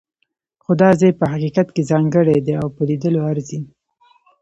خو دا ځای په حقیقت کې ځانګړی دی او په لیدلو ارزي.